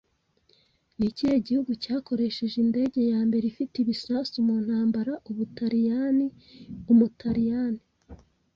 Ni ikihe gihugu cyakoresheje indege ya mbere ifite ibisasu mu ntambara Ubutaliyani Umutaliyani